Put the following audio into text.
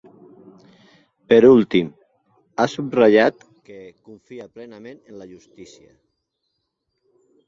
Per últim, ha subratllat que “confia plenament en la justícia”.